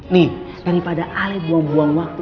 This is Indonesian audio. nih daripada ale buang buang waktu